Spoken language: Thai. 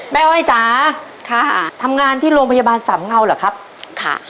อ้อยจ๋าค่ะทำงานที่โรงพยาบาลสามเงาเหรอครับค่ะ